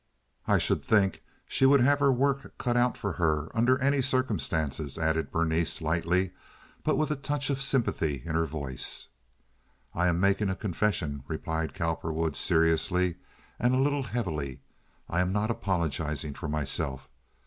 "I should think she would have her work cut out for her under any circumstances," added Berenice, lightly, but with a touch of sympathy in her voice. "I am making a confession," replied Cowperwood, seriously and a little heavily. "I am not apologizing for myself.